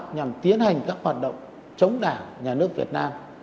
nhằm tiến hành các hoạt động chống đảng nhà nước việt nam